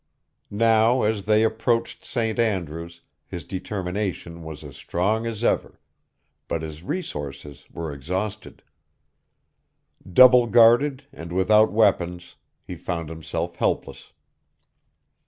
Now as they approached St. Andrew's his determination was as strong as ever, but his resources were exhausted. Double guarded and without weapons, he found himself helpless.